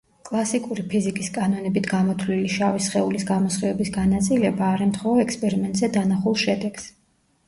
კლასიკური ფიზიკის კანონებით გამოთვლილი შავი სხეულის გამოსხივების განაწილება არ ემთხვევა ექსპერიმენტზე დანახულ შედეგს.